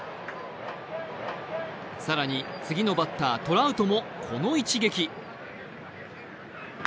更に、次のバッター・トラウトもこの一撃。